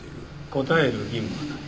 答える義務はない。